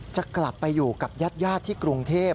จะกลับไปอยู่กับญาติที่กรุงเทพ